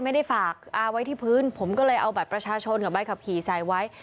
ไม่ได้ฝากอาไว้ที่พื้นผมก็เลยเอาบัตรประชาชนกับใบขับขี่ใส่ไว้